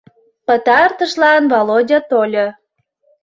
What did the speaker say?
Пытартышлан Володя тольо.